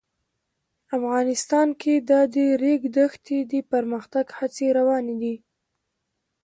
افغانستان کې د د ریګ دښتې د پرمختګ هڅې روانې دي.